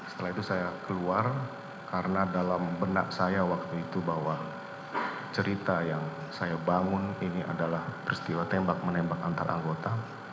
setelah itu saya keluar karena dalam benak saya waktu itu bahwa cerita yang saya bangun ini adalah peristiwa tembak menembak antar anggota